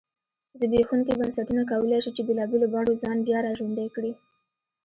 زبېښونکي بنسټونه کولای شي چې بېلابېلو بڼو ځان بیا را ژوندی کړی.